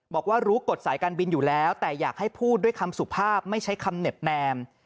บอกว่ารู้กฎสายการบินอยู่แล้วแต่อยากให้พูดด้วยคำสุภาพไม่ใช้คำเน็บแนม